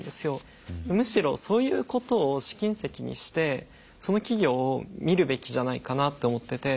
むしろそういうことを試金石にしてその企業を見るべきじゃないかなって思ってて。